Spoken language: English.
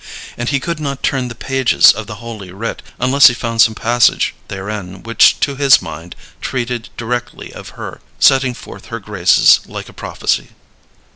And he could not turn the pages of the Holy Writ unless he found some passage therein which to his mind treated directly of her, setting forth her graces like a prophecy.